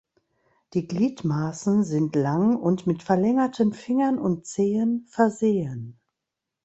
Die Gliedmaßen sind lang und mit verlängerten Fingern und Zehen versehen.